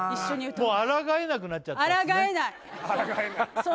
もうあらがえなくなっちゃったんですね